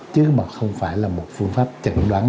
chứ mà không phải là một phương pháp chẩn đoán